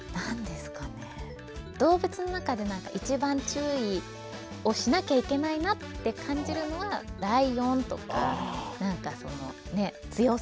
動物の中で一番注意をしなきゃいけないなって感じるのはライオンとか何かその強そうな。